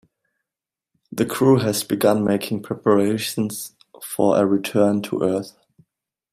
The crew has begun making preparations for a return to Earth.